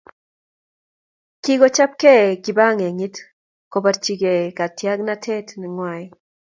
Kikochobkei kibangengeit kobirchikei katiaknatet ngwai